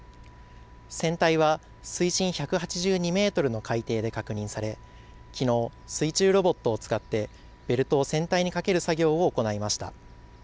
船体は水深１８２メートルの海底で確認され、きのう、水中ロボットを使ってベルトを船体にかける作業を行いました。